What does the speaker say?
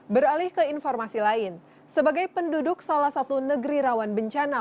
beralih ke informasi lain sebagai penduduk salah satu negeri rawan bencana